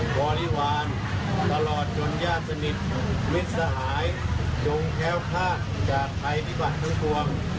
บริวารตลอดจนญาติสนิทมิตรสหายจงแค้วคาดจากภัยพิบัติทั้งปวง